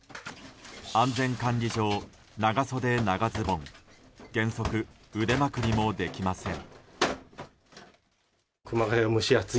安全管理上、長袖・長ズボン原則腕まくりもできません。